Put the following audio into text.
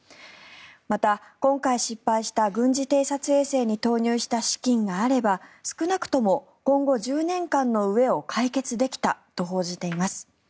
また、今回失敗した軍事偵察衛星に投入した資金があれば少なくとも今後１０年間の飢えを解決できたと報じています。